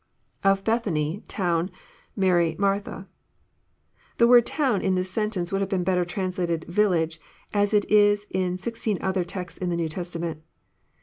[Of Bet7iany,..t(nen.»,Mary.,.Martha.'] The word "town In this sentence would have been better translated *< village," as it is in sixteen other texts in the New Testament.